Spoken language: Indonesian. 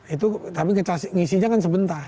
itu tapi kita ngisinya kan sebentar